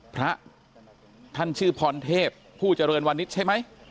พระท่านชื่อพรเทพผู้เจริญวันนี้ใช่ไหม